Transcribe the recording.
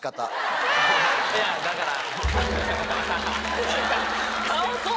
いやだから。